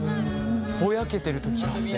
ぼやけてるときがあって。